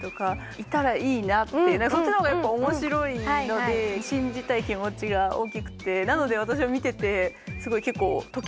そっちのほうがやっぱ面白いので信じたい気持ちが大きくてなので私は見ててすごい結構。